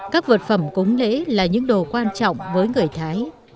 các vật phẩm cúng lễ là những đồ quan trọng với người thái